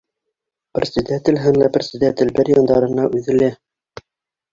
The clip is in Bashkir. Председатель һынлы председатель бер яндарына үҙе лә